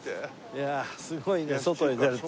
いやすごいね外に出ると。